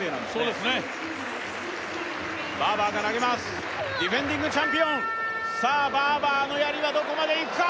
そうですねバーバーが投げますディフェンディングチャンピオンさあバーバーのやりはどこまでいくか？